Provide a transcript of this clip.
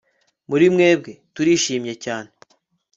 muri mwebwe, turishimye cyane